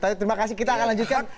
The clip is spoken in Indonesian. tapi terima kasih kita akan lanjutkan